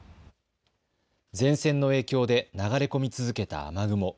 前線の影響で流れ込み続けた雨雲。